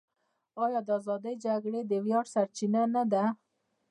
آیا د ازادۍ جګړې د ویاړ سرچینه نه ده؟